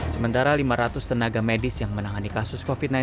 sementara lima ratus tenaga medis yang menangani kasus covid sembilan belas